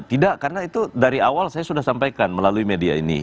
tidak karena itu dari awal saya sudah sampaikan melalui media ini